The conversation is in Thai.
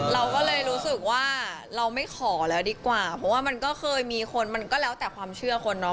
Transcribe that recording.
เราก็เลยรู้สึกว่าเราไม่ขอแล้วดีกว่าเพราะว่ามันก็เคยมีคนมันก็แล้วแต่ความเชื่อคนเนาะ